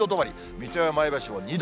水戸や前橋も２度。